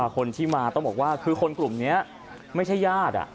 คนที่มาต้องบอกว่าคือคนกลุ่มนี้ไม่ใช่ญาติ